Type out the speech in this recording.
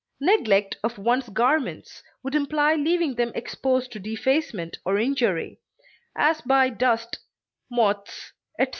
neglect of one's garments would imply leaving them exposed to defacement or injury, as by dust, moths, etc.